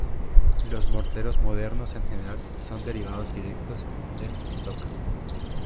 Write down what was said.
Los morteros modernos en general son derivados directos del Stokes.